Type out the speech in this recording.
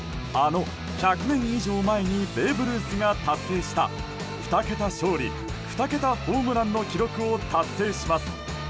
あの１００年以上前にベーブ・ルースが達成した２桁勝利２桁ホームランの記録を達成します。